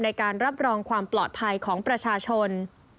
ในการรับรองความปลอดภัยของประชาชน